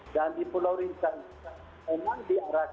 dan di pulau rincai ini emang diarahkan di sisi sendiri sendiri